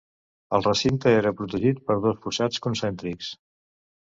El recinte era protegit per dos fossats concèntrics.